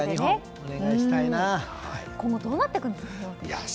今後どうなっていくんですかね。